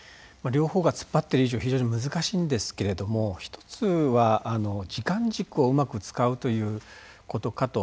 両方がつっぱってる以上非常に難しいんですけれども一つは時間軸をうまく使うということかと思います。